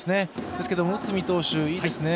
ですけども、内海投手、いいですよね。